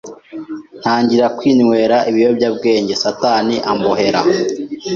ntangira kwinywera ibiyobyabwenge satani ambohera